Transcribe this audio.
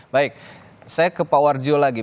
baik saya ke pak warjo lagi